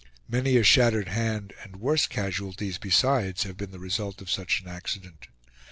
Many a shattered hand and worse casualties besides have been the result of such an accident.